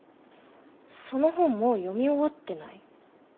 その本もう読み終わってない？